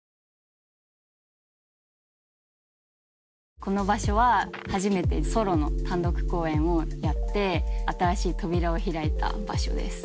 この場所は初めてソロの単独公演をやって新しい扉を開いた場所です。